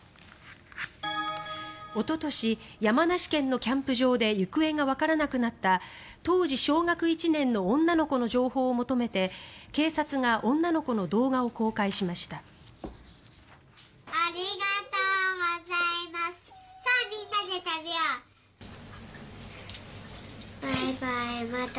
おととし、山梨県のキャンプ場で行方がわからなくなった当時小学１年の女の子の情報を求めて警察が女の子の動画を公開しました。